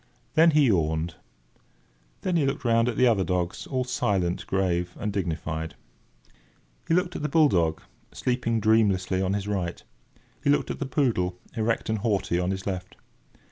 Then he yawned. Then he looked round at the other dogs, all silent, grave, and dignified. He looked at the bull dog, sleeping dreamlessly on his right. He looked at the poodle, erect and haughty, on his left.